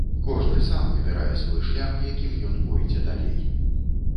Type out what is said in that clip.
Кожны сам выбірае свой шлях, якім ён пойдзе далей.